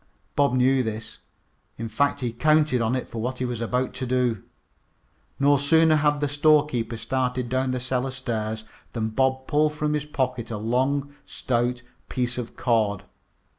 Bob knew this. In fact, he counted on it for what he was about to do. No sooner had the storekeeper started down the cellar stairs than Bob pulled from his pocket a long, stout piece of cord.